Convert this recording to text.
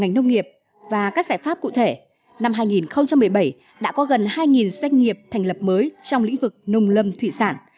ngành nông nghiệp và các giải pháp cụ thể năm hai nghìn một mươi bảy đã có gần hai doanh nghiệp thành lập mới trong lĩnh vực nông lâm thủy sản